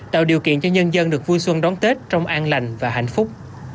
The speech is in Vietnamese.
tạo điều kiện cho nhân dân được vui xuân đón tết trong an lành và hạnh phúc